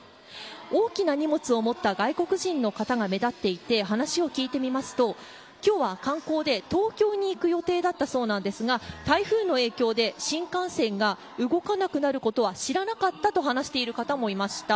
大きな荷物を持った外国人の方が目立っていて話を聞いてみますと今日は観光で東京に行く予定だったそうなんですが台風の影響で新幹線が動かなくなることは知らなかったと話している方もいました。